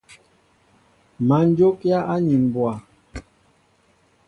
Má njókíá anin mbwa.